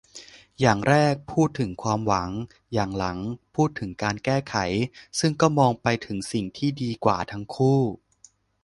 อย่างแรกพูดถึงความหวัง อย่างหลังพูดถึงการแก้ไข - ซึ่งก็มองไปถึงสิ่งที่ดีกว่าทั้งคู่